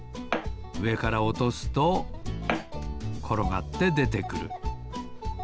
うえからおとすところがってでてくる。